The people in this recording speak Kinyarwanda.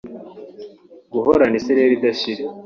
Guhorana isereri idashira